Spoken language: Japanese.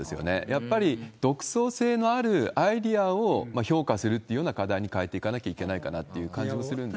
やっぱり独創性のあるアイデアを評価するっていうような課題に変えていかなきゃいけないかなという感じもするんですが。